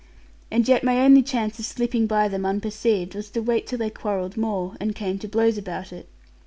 And yet my only chance of slipping by them unperceived was to wait till they quarrelled more, and came to blows about it.